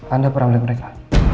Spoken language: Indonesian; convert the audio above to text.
anda perangga mereka